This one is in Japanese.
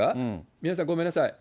宮根さん、ごめんなさい。